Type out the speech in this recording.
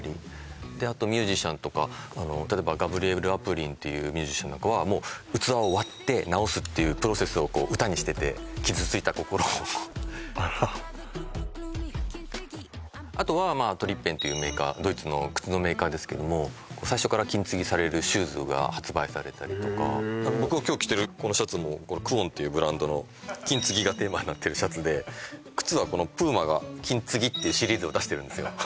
あとミュージシャンとか例えばガブリエル・アプリンっていうミュージシャンなんかは傷ついた心をあらあとはｔｒｉｐｐｅｎっていうメーカードイツの靴のメーカーですけども最初から金継ぎされるシューズが発売されたりとか僕が今日着てるこのシャツもＫＵＯＮっていうブランドの金継ぎがテーマになってるシャツで靴はＰＵＭＡがＫＩＮＴＳＵＧＩっていうシリーズを出してるんですよ